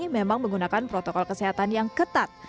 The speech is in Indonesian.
memang menggunakan protokol kesehatan yang ketat